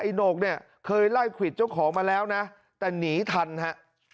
โหนกเนี่ยเคยไล่ควิดเจ้าของมาแล้วนะแต่หนีทันฮะ